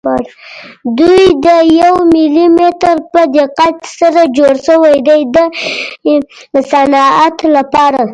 دوی د یو ملي متر په دقت سره جوړ شوي دي د صنعت لپاره.